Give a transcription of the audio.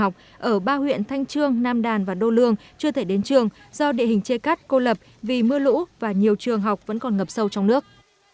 ở ba huyện thanh trương nam đàn và đô lương chưa thể đến trường do địa hình chê cắt cô lập vì mưa lũ và nhiều trường học vẫn còn ngập sâu trong nước